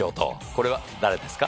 これは誰ですか？